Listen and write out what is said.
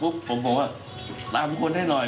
ปุ๊บผมว่าตามคนให้หน่อย